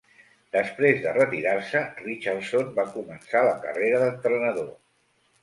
Després de retirar-se, Richardson va començar la carrera d'entrenador.